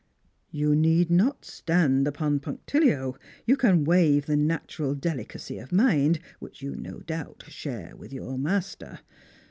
"You need not stand upon punctilio. You can waive the natural delicacy of mind wiuch you no doubt share with your master.